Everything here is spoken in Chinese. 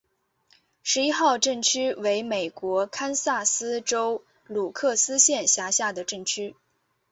十一号镇区为美国堪萨斯州鲁克斯县辖下的镇区。